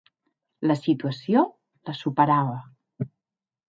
La situació les superava.